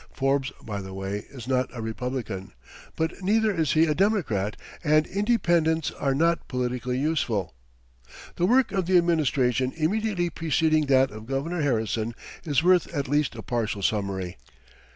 Forbes, by the way, is not a Republican, but neither is he a Democrat, and Independents are not politically useful. The work of the administration immediately preceding that of Governor Harrison is worth at least a partial summary.